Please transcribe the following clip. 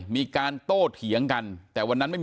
ก็ได้รู้สึกว่ามันกลายเป้าหมาย